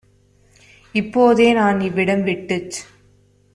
இப்போ தேநான் இவ்விடம் விட்டுச்